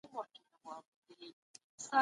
که موبایل دي نوی وي نو د ژبې زده کړه پکي اسانه ده.